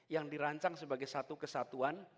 yang dirancang sebagai satu kesatuan